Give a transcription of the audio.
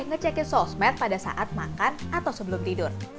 jangan lupa untuk menghentikan waktu yang sama pada saat makan atau sebelum tidur